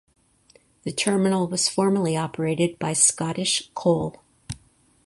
The terminal was formerly operated by Scottish Coal.